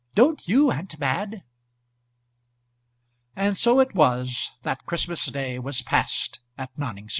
"Don't you, aunt Mad ?" And so it was that Christmas day was passed at Noningsby.